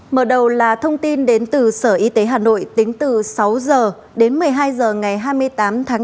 mở đầu là thông tin đến từ sở y tế hà nội tính từ sáu h đến một mươi hai h ngày hai mươi tám tháng bốn